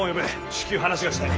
至急話がしたい。